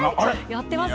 やってますよ。